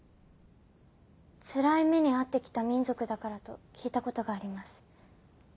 つらい目に遭ってきた民族だからと聞いたことがあります。